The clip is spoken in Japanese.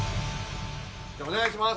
じゃお願いします。